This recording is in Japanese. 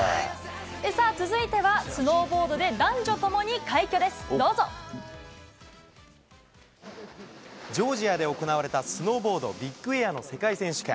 さあ、続いては、スノーボージョージアで行われたスノーボードビッグエアの世界選手権。